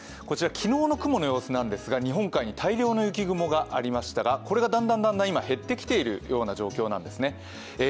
こちら昨日の雲の様子なんですが日本海に大量の雪雲がありましたがこれがだんだん今、減ってきているような状態なんですね。